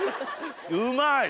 うまい！